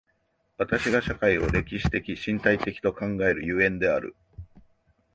私が社会を歴史的身体的と考える所以である。